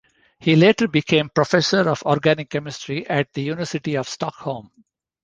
He later became professor of organic chemistry at the University of Stockholm.